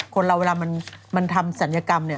คนเราเวลามันทำศัลยกรรมเนี่ย